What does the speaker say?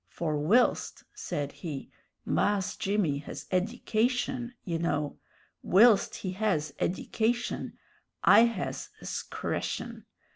"For whilst," said he, "Mahs Jimmy has eddication, you know whilst he has eddication, I has 'scretion.